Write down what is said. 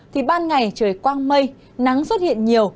thì ban ngày trời quang mây nắng xuất hiện nhiều